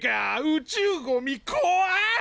宇宙ゴミこわい！